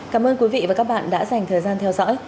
cảm ơn quý vị và các bạn đã dành thời gian theo dõi